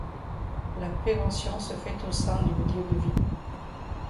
La prévention se fait au sein du milieu de vie.